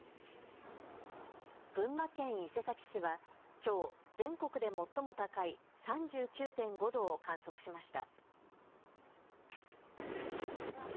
群馬県伊勢崎市はきょう全国で最も高い３９．５度を観測しました。